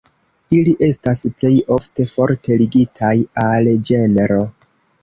Ili estas plej ofte forte ligitaj al ĝenro.